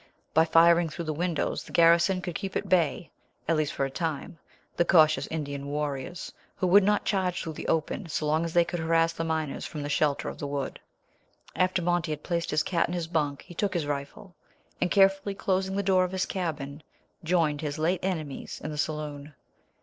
By firing through the windows the garrison could keep at bay, at least for a time, the cautious Indian warriors, who would not charge through the open, so long as they could harass the miners from the shelter of the wood. After Monty had placed his cat in his bunk he took his rifle, and carefully closing the door of his cabin, joined his late enemies in the saloon.